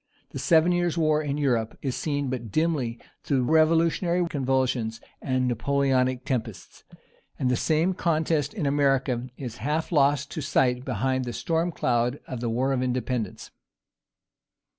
The Seven Years War in Europe is seen but dimly through revolutionary convulsions and Napoleonic tempests; and the same contest in America is half lost to sight behind the storm cloud of the War of Independence.